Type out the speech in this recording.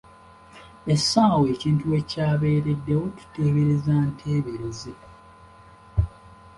Essaawa ekintu we kya beereddewo tuteebereza nteebereze.